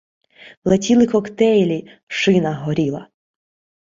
Летіли коктейлі, шина горіла